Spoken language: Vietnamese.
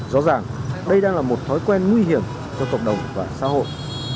rõ ràng đây đang là một thói quen nguy hiểm cho cộng đồng và xã hội